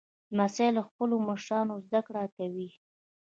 لمسی له خپلو مشرانو زدهکړه کوي.